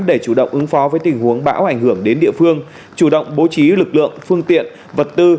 để chủ động ứng phó với tình huống bão ảnh hưởng đến địa phương chủ động bố trí lực lượng phương tiện vật tư